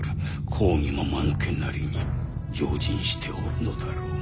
公儀もまぬけなりに用心しておるのだろう。